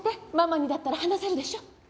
ママにだったら話せるでしょ。